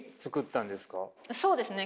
そうですね。